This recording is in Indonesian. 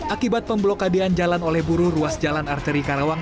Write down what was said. akibat pemblokadean jalan oleh buruh ruas jalan arteri karawang